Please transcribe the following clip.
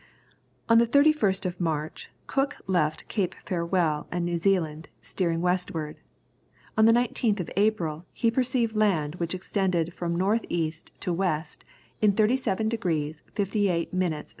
On the 31st of March, Cook left Cape Farewell and New Zealand, steering westward. On the 19th of April, he perceived land which extended from north east to west, in 37 degrees 58 minutes S.